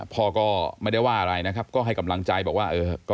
พ่อก็ไม่ได้ว่าอะไรนะครับก็ให้กำลังใจบอกว่า